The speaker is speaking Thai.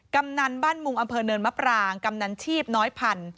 กำนันบ้านมุงอำเภอเนินมะปรางกำนันชีพน้อยพันธุ